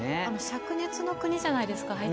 しゃく熱の国じゃないですか。